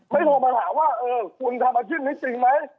โทรมาถามว่าเออคุณทำอาชีพนี้จริงไหม